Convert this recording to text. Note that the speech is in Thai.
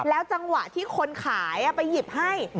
จังหวะที่คนขายไปหยิบให้